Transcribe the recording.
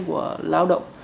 của lao động